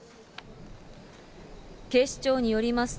警視庁によりますと、